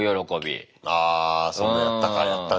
あそんなんやったかやったね。